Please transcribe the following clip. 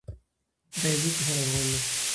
دا عزت د هر افــــغـــــــان دی،